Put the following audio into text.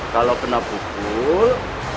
kalau kena bubur